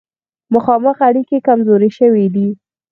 مخامخ اړیکې کمزورې شوې دي.